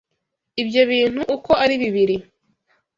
ibyo bintu uko ari bibiri